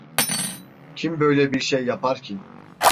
Kim böyle bir şey yapar ki?